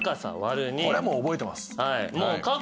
これもう覚えてます。